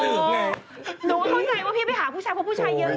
หนูก็เข้าใจว่าพี่ไปหาผู้ชายเพราะผู้ชายเยอะ